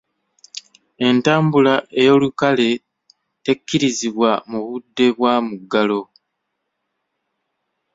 Entambula ey'olukale tekkirizibwa mu budde bwa muggalo.